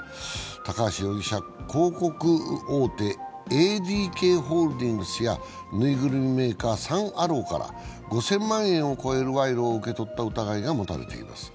高橋容疑者は広告大手ＡＤＫホールディングスやぬいぐるみメーカー、サン・アローから５０００万円を超える賄賂を受け取った疑いが持たれています。